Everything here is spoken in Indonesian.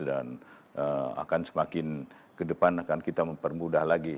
dan akan semakin ke depan akan kita mempermudah lagi